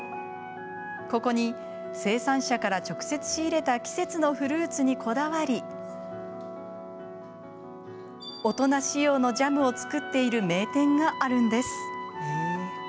ここに生産者から直接仕入れた季節のフルーツにこだわり大人仕様のジャムを作っている名店があるんです。